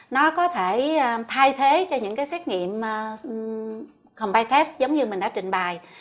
nó có thể thay thế cho những cái xét nghiệm combine test giống như mình đã trình bài